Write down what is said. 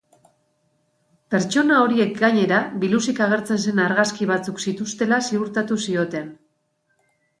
Pertsona horiek, gainera, biluzik agertzen zen argazki batzuk zituztela ziurtatu zioten.